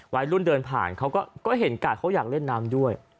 วัยรุ่นเดินผ่านเขาก็เห็นกาดเขาอยากเล่นน้ำด้วย